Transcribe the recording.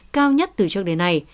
cao nhất từ trước đến nay